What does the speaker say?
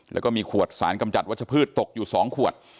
แล้วก็มีขวดสารกำจัดวัชพืชตกอยู่๒ขวด